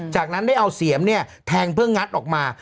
จากนั้นได้เอาเสียมแทงเพื่องัดออกมา